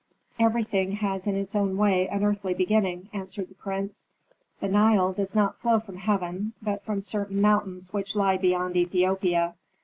"Everything has in its own way an earthly beginning," answered the prince. "The Nile does not flow from heaven, but from certain mountains which lie beyond Ethiopia.